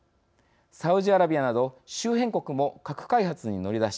サウジアラビアなど周辺国も核開発に乗り出し